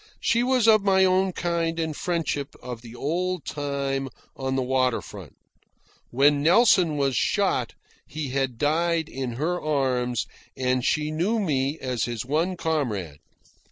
She was of my own kind and friendship of the old time on the water front. When Nelson was shot, he had died in her arms, and she knew me as his one comrade.